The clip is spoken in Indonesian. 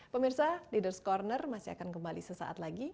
pemirsa leaders ⁇ corner masih akan kembali sesaat lagi